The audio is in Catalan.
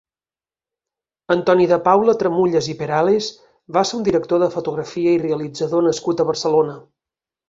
Antoni de Paula Tramullas i Perales va ser un director de fotografia i realitzador nascut a Barcelona.